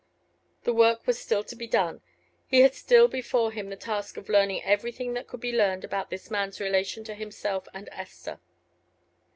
The work was still to be done. He had still before him the task of learning everything that could be learned about this man's relation to himself and Esther.